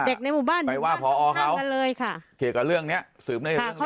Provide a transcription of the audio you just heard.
เด็กในหมู่บ้านไปว่าค่ะเขาเยื่อยู้ก็เลยถูก